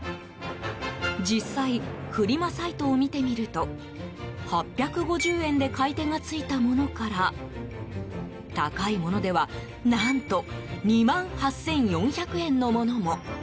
実際フリマサイトを見てみると８５０円で買い手がついたものから高いものでは何と、２万８４００円のものも。